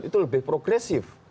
itu lebih progresif